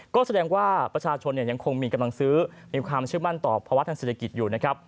ก็แสดงว่าประชาชนยังคงมีกำลังซื้อมีความเชื่อมั่นต่อภาวะทางเศรษฐกิจอยู่นะครับ